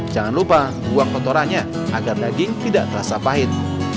jangan lupa buang kotorannya agar daging tidak terasa pahit